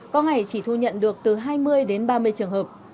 có ngày chỉ thu nhận được từ hai mươi đến ba mươi trường hợp